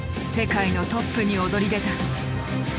世界のトップに躍り出た。